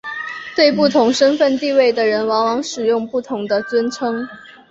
对不同身份地位的人往往使用不同的尊称。